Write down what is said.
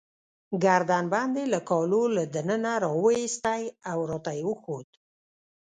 ګردن بند يې له کالو له دننه راوایستی، او راته يې وښود.